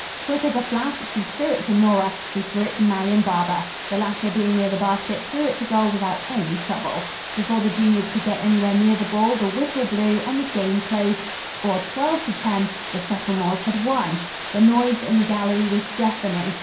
Quick as a flash she threw it to Nora, who threw it to Marian Barber. The latter being near the basket threw it to goal without any trouble. Before the juniors could get anywhere near the ball the whistle blew and the game closed. Score 12 to 10. The sophomores had won. The noise in the gallery was deafening.